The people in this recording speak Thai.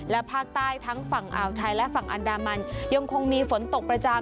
และภาคใต้ทั้งฝั่งอ่าวไทยและฝั่งอันดามันยังคงมีฝนตกประจำ